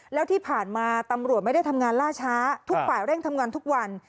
แล้วที่ผ่านมาตำรวจไม่ได้ทำงานล่าช้าทุกฝ่ายเร่งทำงานทุกวัน